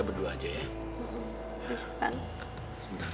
alhamdulillah grammar sejauh ini kabar